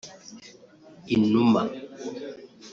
inuma